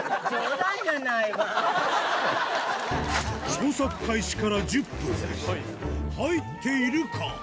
捜索開始から１０分入っているか？